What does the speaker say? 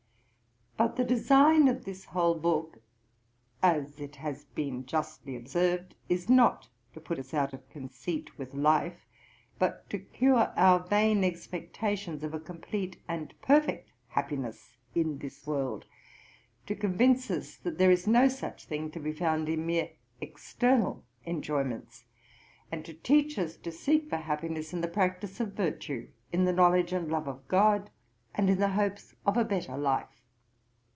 But the design of this whole book, (as it has been justly observed,) is not to put us out of conceit with life, but to cure our vain expectations of a compleat and perfect happiness in this world; to convince us, that there is no such thing to be found in mere external enjoyments; and to teach us to seek for happiness in the practice of virtue, in the knowledge and love of God, and in the hopes of a better life.